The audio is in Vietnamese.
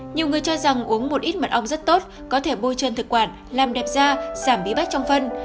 nhiều người cho rằng uống một ít mật ong rất tốt có thể bôi chân thực quản làm đẹp da giảm bí bách trong phân